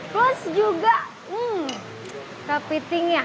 terus juga kepitingnya